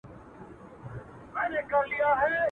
خبري ډېري دي، سر ئې يو دئ.